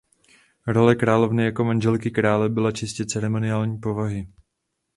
Role královny jako manželky krále byla čistě ceremoniální povahy.